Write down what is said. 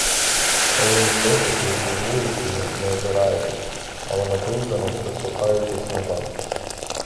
Хвилин з десять я йду вулицею, не озираючись, але напружено прислухаючись назад.